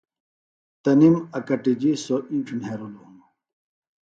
تنِم اکٹِجیۡ سوۡ اِنڇ مھیرِلوۡ ہنوۡ